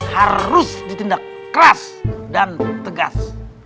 harus ditindak keras dan tegas